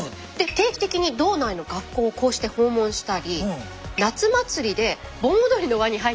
定期的に道内の学校をこうして訪問したり夏祭りで盆踊りの輪に入ったりと。